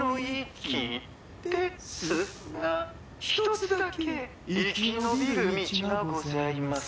「で・す・が一つだけ生き延びる道がございます」